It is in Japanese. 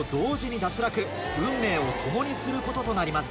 運命を共にすることとなります。